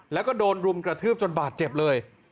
แล้วก็โดนรุมกระทืบจนบาดเจ็บเลย